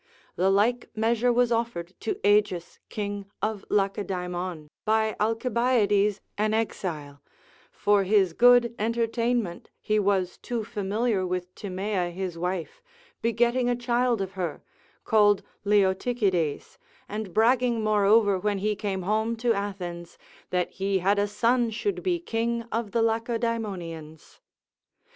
The like measure was offered to Agis king of Lacedaemon, by Alcibiades an exile, for his good entertainment, he was too familiar with Timea his wife, begetting a child of her, called Leotichides: and bragging moreover when he came home to Athens, that he had a son should be king of the Lacedaemonians.